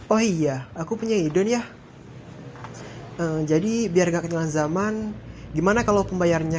oh iya aku punya idun ya jadi biar gak kenyalan zaman gimana kalau pembayarnya